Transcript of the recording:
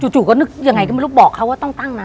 จู่ก็นึกยังไงก็ไม่รู้บอกเขาว่าต้องตั้งนะ